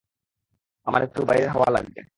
আমার একটু বাইরের হাওয়া লাগবে।